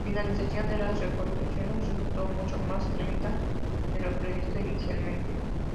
La finalización de las reconstrucciones resultó mucho más lenta de lo previsto inicialmente.